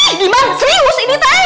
ih diman serius ini ten